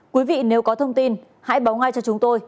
quý vị nếu có thông tin hãy báo ngay cho chúng tôi